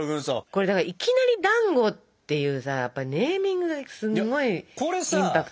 これだから「いきなりだんご」っていうさネーミングがすんごいインパクトあるじゃない。